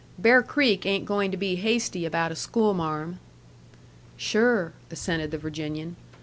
"Bear Creek ain't going to be hasty about a schoolmarm." "Sure," assented the Virginian.